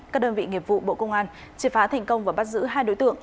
các đơn vị nghiệp vụ bộ công an triệt phá thành công và bắt giữ hai đối tượng